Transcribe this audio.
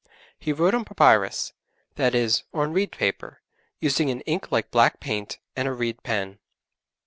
He wrote on papyrus that is, on reed paper, using an ink like black paint, and a reed pen.